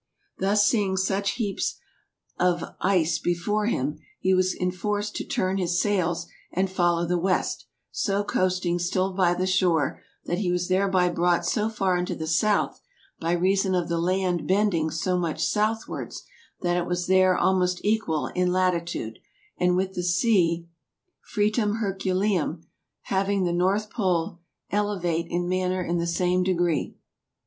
Thus seeing such heapes of yce before him, hee was enforced to turne his sailes and follow the West, so coasting still by the shore, that hee was thereby brought so farre into the South, by reason of the land bending so much Southwards, that it was there almost equal in latitude, with the sea Fretum Hercu leum, hauing the Northpole eleuate in maner in the same degree.